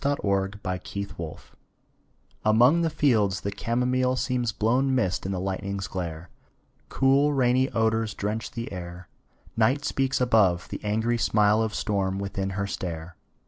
THE WINDOW ON THE HILL Among the fields the camomile Seems blown mist in the lightning's glare: Cool, rainy odors drench the air; Night speaks above; the angry smile Of storm within her stare.